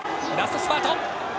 ラストスパート。